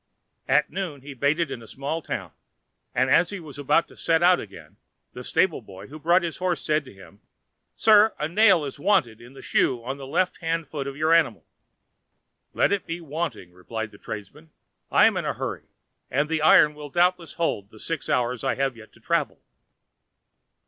At noon he baited in a small town, and as he was about to set out again, the stable boy who brought his horse said to him: "Sir, a nail is wanting in the shoe on the left hind foot of your animal." "Let it be wanting," replied the tradesman; "I am in a hurry and the iron will doubtless hold the six hours I have yet to travel."